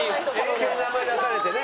急に名前出されてね。